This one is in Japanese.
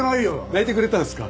泣いてくれてたんですか？